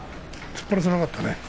突っ張らせなかったね。